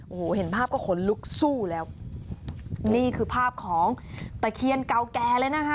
โอ้โหเห็นภาพก็ขนลุกสู้แล้วนี่คือภาพของตะเคียนเก่าแก่เลยนะคะ